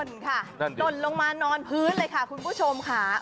หล่นลงมานอนพื้นเลยค่ะคุณผู้ชมค่ะ